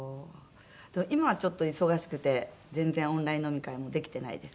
今はちょっと忙しくて全然オンライン飲み会もできてないです。